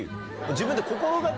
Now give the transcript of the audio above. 自分で。